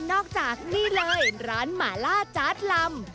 จากนี่เลยร้านหมาล่าจาร์ดลำ